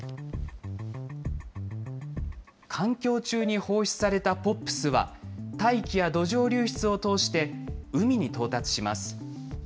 環境中に放出されたＰＯＰｓは、大気や土壌流出を通して海に到達します。